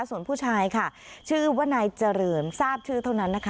ส่วนผู้ชายค่ะชื่อว่านายเจริญทราบชื่อเท่านั้นนะคะ